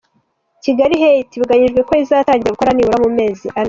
Kigali Heights biteganyijwe ko izatangira gukora nibura mu mezi ane.